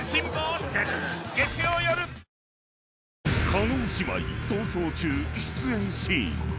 ［叶姉妹『逃走中』出演シーン］